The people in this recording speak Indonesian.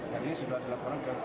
jadi sudah dilaporan ke kementerian